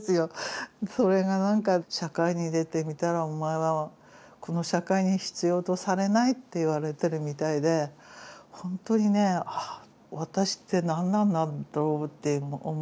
それが何か社会に出てみたらお前はこの社会に必要とされないって言われてるみたいでほんとにねあっ私って何なんだろうっていう思いをね。